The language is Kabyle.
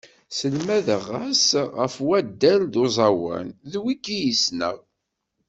Sselmadeɣ-as ɣef waddal d uẓawan, d wigi i ssneɣ.